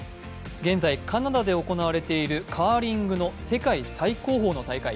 現在、カナダで行われているカーリングの世界最高峰の大会。